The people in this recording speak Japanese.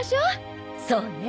そうね。